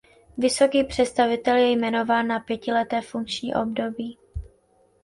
Vysoký představitel je jmenován na pětileté funkční období.